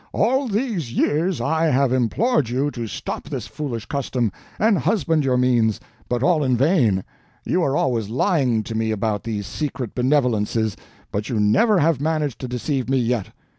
All these years I have implored you to stop this foolish custom and husband your means, but all in vain. You are always lying to me about these secret benevolences, but you never have managed to deceive me yet.